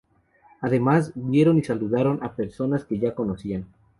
Además, vieron y saludaron a personas que ya conocían.